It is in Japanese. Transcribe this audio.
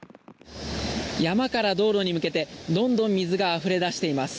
山から道路に向けてどんどん水があふれ出しています。